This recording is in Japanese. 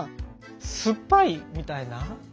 酸っぱいみたいな。